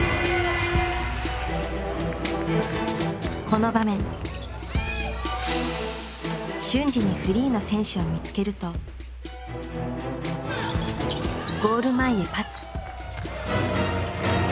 この場面瞬時にフリーの選手を見つけるとゴール前へパス。